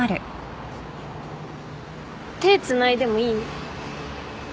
手つないでもいい？